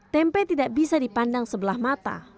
tempe tidak bisa dipandang sebelah mata